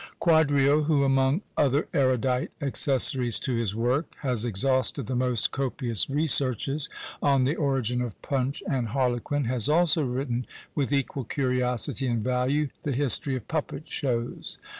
Quadrio, who, among other erudite accessories to his work, has exhausted the most copious researches on the origin of Punch and Harlequin, has also written, with equal curiosity and value, the history of Puppet shows.